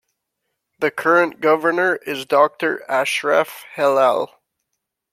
The current governor is doctor Ashraf Helal.